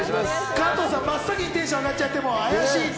加藤さん、真っ先にテンション上がっちゃって怪しいんだ。